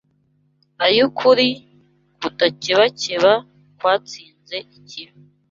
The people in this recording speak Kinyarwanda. ay’ukuri kudakebakeba kwatsinze ikibi